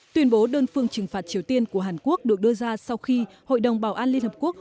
tuyên bố đơn phương trừng phạt triều tiên của hàn quốc được đưa ra sau khi hội đồng bảo an liên hợp quốc